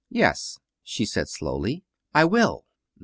"Yes," she said slowly, "I will."